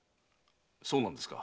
そうなんですか？